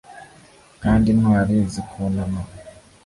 kandi intwari zikunama